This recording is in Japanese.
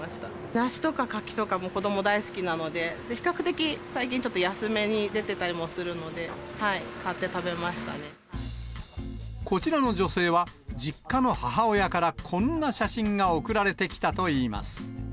梨とか柿とか、子ども、大好きなので、比較的、最近ちょっと安めに出てたりもすこちらの女性は、実家の母親からこんな写真が送られてきたといいます。